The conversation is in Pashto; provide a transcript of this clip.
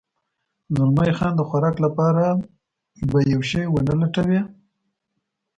زلمی خان د خوراک لپاره به یو شی و نه لټوې؟